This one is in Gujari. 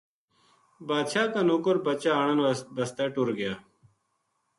بادشاہ کا نوکر بچا آنن بسطے ٹُر گیا